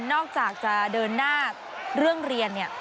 นอกจากจะเดินหน้าเรื่องเรียน